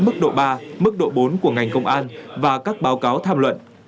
mức độ ba mức độ bốn của ngành công an và các báo cáo tham luận